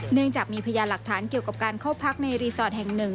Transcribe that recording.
เนื่องจากมีพยานหลักฐานเกี่ยวกับการเข้าพักในรีสอร์ทแห่งหนึ่ง